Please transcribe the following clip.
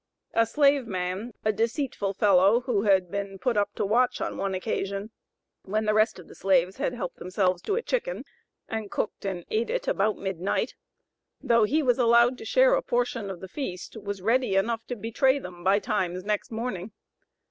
A slave man, a deceitful fellow, who had been put up to watch on one occasion, when the rest of the slaves had helped themselves to a chicken, and cooked and ate it about midnight, though he was allowed to share a portion of the feast, was ready enough to betray them by times next morning.